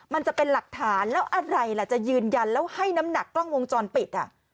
มันจะเป็นหลักฐานแล้วอะไรล่ะจะยืนยันแล้วให้น้ำหนักกล้องวงจรปิด